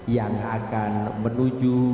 yang akan menuju